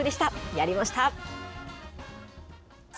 やりました。